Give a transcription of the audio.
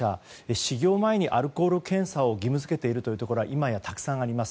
始業前にアルコール検査を義務付けているというところは今やたくさんあります。